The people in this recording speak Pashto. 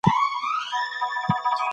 هغه څوک چې سیاست لولي د قدرت په مینه کې وي.